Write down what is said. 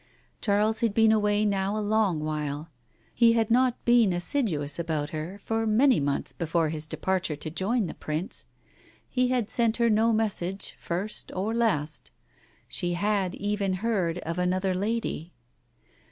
Charles had been away now a long while. He had not been assiduous about her for many months before his departure to join the Prince. He had sent her no message first or last. She had even heard of another lady.